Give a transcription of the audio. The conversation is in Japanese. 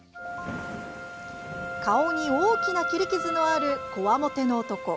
顔に大きな切り傷のあるこわもての男